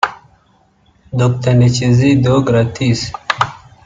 Dr Ndekezi Deogratias